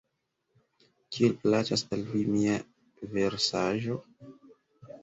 Kiel plaĉas al vi mia versaĵo?